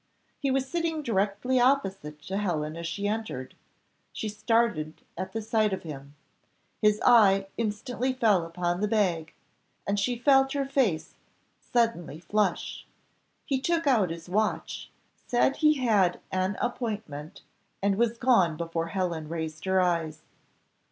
He was sitting directly opposite to Helen as she entered; she started at the sight of him: his eye instantly fell upon the bag, and she felt her face suddenly flush. He took out his watch, said he had an appointment, and was gone before Helen raised her eyes.